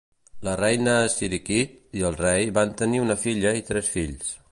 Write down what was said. La reina Sirikit i el rei van tenir una filla i tres fills.